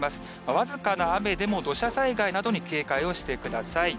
僅かな雨でも土砂災害などに警戒をしてください。